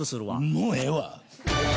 もうええわ。